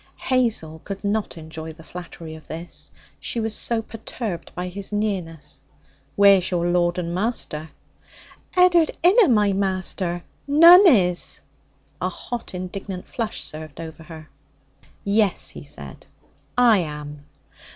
Hazel could not enjoy the flattery of this; she was so perturbed by his nearness. 'Where's your lord and master?' 'Ed'ard inna my master. None is.' A hot indignant flush surged over her. 'Yes,' said he; 'I am.'